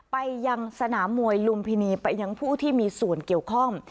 ไปยังสนามมวยลุมพินีไปยังผู้ที่มีส่วนเกี่ยวข้อง